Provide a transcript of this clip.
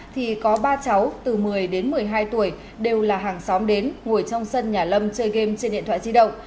thì có ba cháu từ một mươi đến một mươi hai tuổi đều là hàng xóm đến ngồi trong sân nhà lâm chơi game trên điện thoại di động